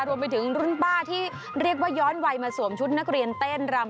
รวมไปถึงรุ่นป้าที่เรียกว่าย้อนวัยมาสวมชุดนักเรียนเต้นรำ